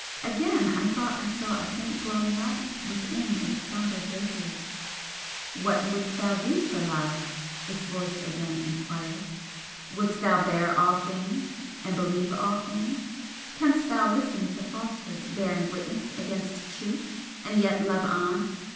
Again I thought I saw a faint glowing light within its sombre draperies. "What wouldst thou do for Love?" its voice again enquired "Wouldst thou bear all things and believe all things? Canst thou listen to falsehood bearing witness against truth, and yet love on?